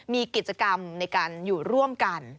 มีกิจกรรมในการอยู่ร่วมกัน